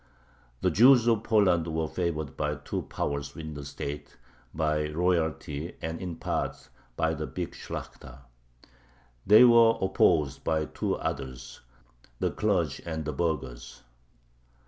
The Jews of Poland were favored by two powers within the state, by royalty and in part by the big Shlakhta. They were opposed by two others, the clergy and the burghers.